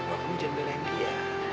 kamu jendela yang dia